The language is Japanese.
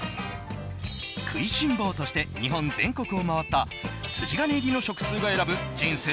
食いしん坊として日本全国を回った筋金入りの食通が選ぶ人生